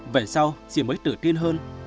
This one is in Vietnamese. về sau chị mới tự tin hơn